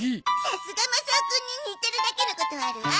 さすがマサオくんに似てるだけのことはあるわ。